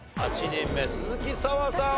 ８人目鈴木砂羽さん